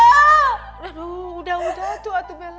aduh udah udah tuh aduh bella